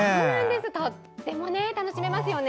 とっても楽しめますよね。